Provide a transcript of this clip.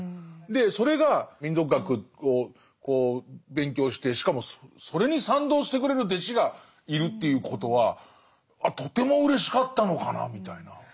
でそれが民俗学を勉強してしかもそれに賛同してくれる弟子がいるっていうことはとてもうれしかったのかなみたいな。